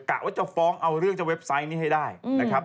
กะว่าจะฟ้องเอาเรื่องจะเว็บไซต์นี้ให้ได้นะครับ